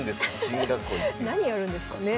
何やるんですかね？